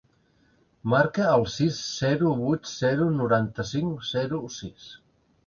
Marca el sis, zero, vuit, zero, noranta-cinc, zero, sis.